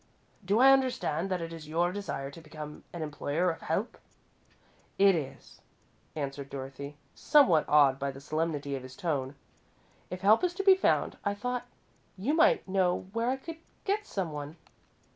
Do I understand that it is your desire to become an employer of help?" "It is," answered Dorothy, somewhat awed by the solemnity of his tone, "if help is to be found. I thought you might know where I could get some one."